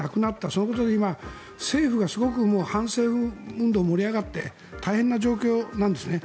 そのことで今、政府がすごく反政府運動、盛り上がって大変な状況なんですね。